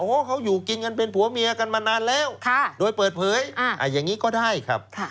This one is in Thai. เขาอยู่กินกันเป็นผัวเมียกันมานานแล้วโดยเปิดเผยอย่างนี้ก็ได้ครับ